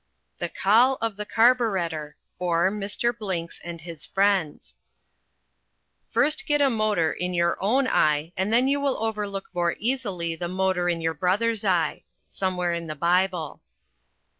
V. The Call of the Carburettor, or, Mr. Blinks and his Friends "First get a motor in your own eye and then you will overlook more easily the motor in your brother's eye." Somewhere in the Bible.